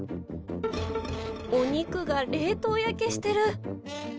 お肉が冷凍焼けしてる。